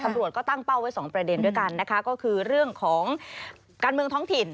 ตำรวจก็ตั้งเป้าไว้สองประเด็นด้วยกันนะคะก็คือเรื่องของการเมืองท้องถิ่น